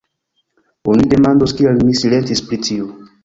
Oni demandos, kial mi silentis pri tio.